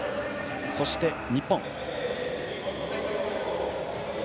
そして、日本。